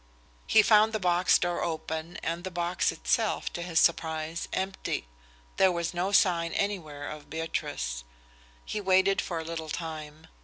He found the box door open and the box itself, to his surprise, empty. There was no sign anywhere of Beatrice. He waited for a little time.